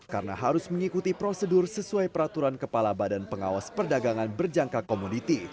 karena harus mengikuti prosedur sesuai peraturan kepala badan pengawas perdagangan berjangka komuniti